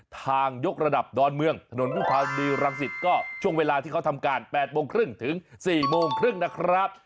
ทางยกระดับดอนเมืองถนนวิภาวดีรังสิตก็ช่วงเวลาที่เขาทำการ๘โมงครึ่งถึง๔โมงครึ่งนะครับ